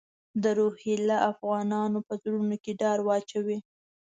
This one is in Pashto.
د روهیله افغانانو په زړونو کې ډار واچوي.